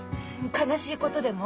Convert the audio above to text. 悲しいことでも？